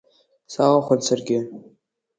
Салахәын саргьы.